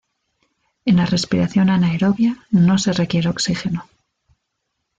En la respiración anaerobia, no se requiere oxígeno.